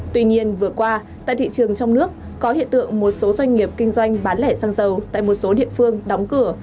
tuy nhiên vừa qua tại thị trường trong nước có hiện tượng một số doanh nghiệp kinh doanh bán lẻ xăng dầu tại một số địa phương đóng cửa